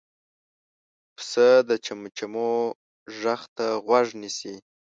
پسه د چمچمو غږ ته غوږ نیسي.